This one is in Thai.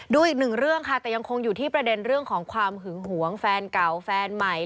ดูอีกหนึ่งเรื่องค่ะแต่ยังคงอยู่ที่ประเด็นเรื่องของความหึงหวงแฟนเก่าแฟนใหม่